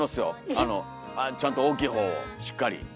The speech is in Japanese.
あのちゃんと大きい方をしっかり。